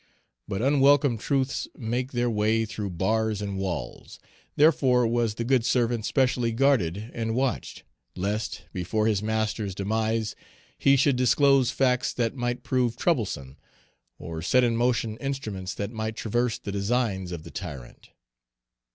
But unwelcome truths make their way through bars and walls; therefore was the good servant specially guarded and watched, lest, before his master's demise, he should disclose facts that might prove troublesome, or set in motion instruments that might traverse the designs of the tyrant.